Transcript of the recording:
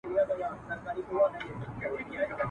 د غوايی په غاړه ولي زنګوله وي !.